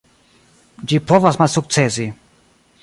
Ĝi povas malsukcesi.